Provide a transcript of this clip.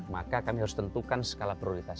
maka kami harus tentukan skala prioritas